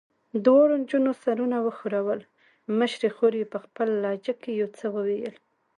دواړو نجونو سرونه وښورول، مشرې خور یې په خپله لهجه کې یو څه وویل.